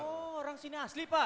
oh orang sini asli pak